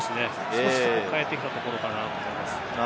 少し変えてきたところかなと思います。